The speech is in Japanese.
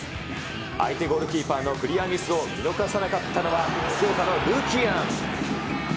相手ゴールキーパーのクリアミスを見逃さなかったのはルキアン。